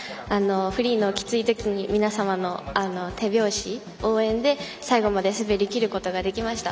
フリーのきつい時に皆さんの手拍子、応援で最後まで滑りきることができました。